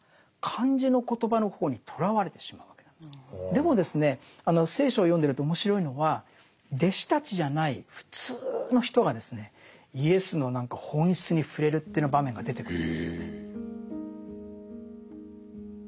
でもですね聖書を読んでると面白いのは弟子たちじゃない普通の人がですねイエスの何か本質に触れるっていうような場面が出てくるんですよね。